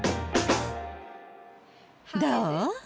どう？